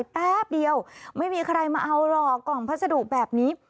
แป๊บเดียวไม่มีใครมาเอาหรอกกล่องพัสดุแบบนี้